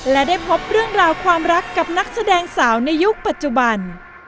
และได้พบเรื่องราวความรักกับนักแสดงสาวในยุคปัจจุบัน